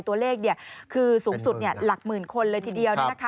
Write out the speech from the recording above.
ตัวเลขคือสูงสุดหลักหมื่นคนเลยทีเดียว